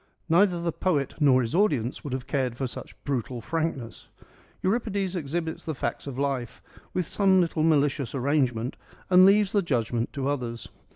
Neither the poet nor his audience would have cared for such brutal frankness. Euripides exhibits the facts of life, with some little malicious arrangement, and leaves the judgment to others.